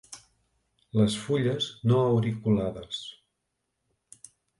Les fulles no auriculades.